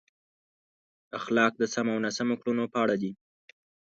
اخلاق د سمو او ناسم کړنو په اړه دي.